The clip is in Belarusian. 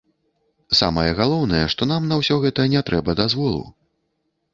Самае галоўнае, што нам на ўсё гэта не трэба дазволу.